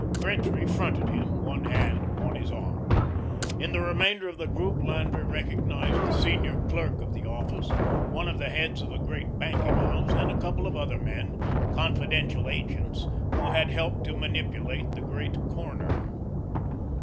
Gretry fronted him, one hand upon his arm. In the remainder of the group Landry recognised the senior clerk of the office, one of the heads of a great banking house, and a couple of other men confidential agents, who had helped to manipulate the great corner.